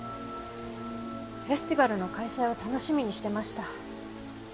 フェスティバルの開催を楽しみにしてました。